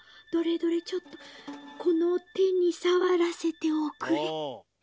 「どれどれちょっとこの手に触らせておくれ」